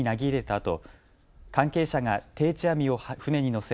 あと関係者が定置網を船に載せ